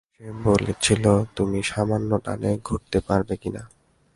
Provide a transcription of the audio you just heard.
সে বলছিল তুমি সামান্য ডানে ঘুরতে পারবে কিনা।